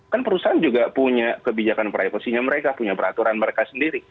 kan perusahaan juga punya kebijakan privasinya mereka punya peraturan mereka sendiri